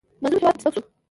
مظلوم هېواد پکې سپک شو.